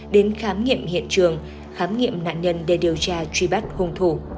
đến khám nghiệm hiện trường khám nghiệm nạn nhân để điều tra truy bắt hung thủ